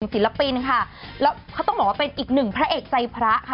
ศิลปินค่ะแล้วเขาต้องบอกว่าเป็นอีกหนึ่งพระเอกใจพระค่ะ